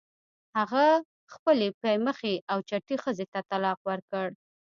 هغه خپلې پی مخې او چټې ښځې ته طلاق ورکړ.